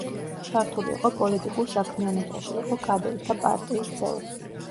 ჩართული იყო პოლიტიკურ საქმიანობაში, იყო კადეტთა პარტიის წევრი.